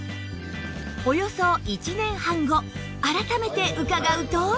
およそ１年半後改めて伺うと